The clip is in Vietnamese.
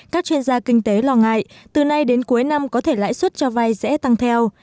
các chuyên gia kinh tế lo ngại từ nay đến cuối năm có thể lãi suất cho vay sẽ tăng theo